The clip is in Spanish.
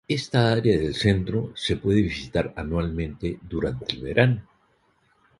Esta área del centro se puede visitar anualmente durante el verano.